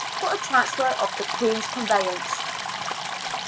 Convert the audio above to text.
for a transfer of the Queen's con veyance.